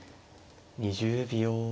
２０秒。